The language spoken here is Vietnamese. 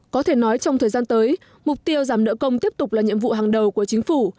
có thể nói trong thời gian tới mục tiêu giảm nợ công tiếp tục là nhiệm vụ hàng đầu của chính phủ